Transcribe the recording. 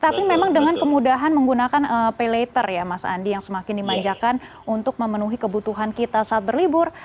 tapi memang dengan kemudahan menggunakan pay later ya mas andi yang semakin dimanjakan untuk memenuhi kebutuhan kita saat berlibur